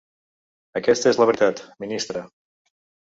Aquesta és la veritat, ministre…